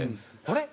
「あれ？